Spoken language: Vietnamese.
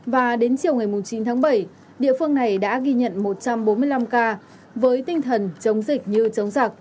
và đến chiều ngày chín tháng bảy địa phương này đã ghi nhận một trăm bốn mươi năm ca với tinh thần chống dịch như chống giặc